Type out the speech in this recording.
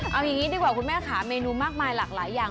เอาอย่างนี้ดีกว่าคุณแม่ค่ะเมนูมากมายหลากหลายอย่าง